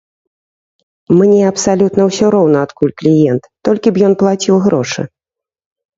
Мне абсалютна ўсё роўна, адкуль кліент, толькі б ён плаціў грошы.